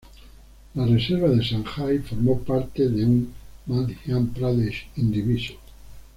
La reserva de Sanjay formó parte de un Madhya Pradesh indiviso.